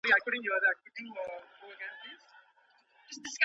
ولي محنتي ځوان د وړ کس په پرتله ژر بریالی کېږي؟